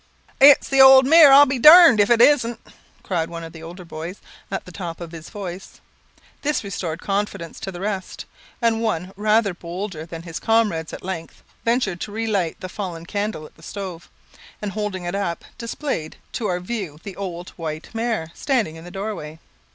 "It's the old mare! I'll be darned if it isn't!" cried one of the older boys, at the top of his voice. This restored confidence to the rest; and one rather bolder than his comrades at length ventured to relight the fallen candle at the stove, and holding it up, displayed to our view the old white mare, standing in the doorway.